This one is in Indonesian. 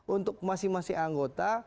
untuk masing masing anggota